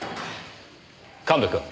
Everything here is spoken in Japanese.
神戸くん。